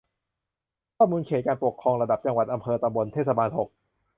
ข้อมูลเขตการปกครองระดับ จังหวัด อำเภอ ตำบล เทศบาล หก